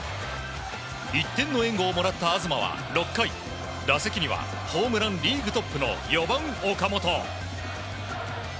１点の援護をもらった東は６回打席にはホームランリーグトップの４番、岡本。